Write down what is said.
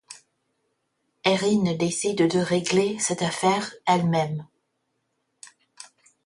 Erin décide de régler cette affaire elle-même.